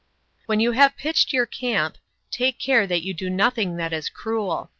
42. When you have pitched your camp, take care that you do nothing that is cruel.